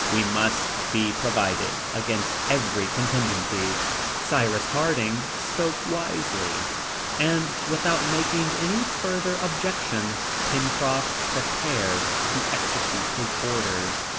We must be provided against every contingency." Cyrus Harding spoke wisely; and without making any further objection, Pencroft prepared to execute his orders.